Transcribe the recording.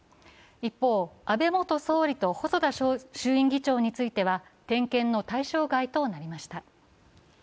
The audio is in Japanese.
一方、安倍元総理と細田衆院議長については、点検の対象外となりました。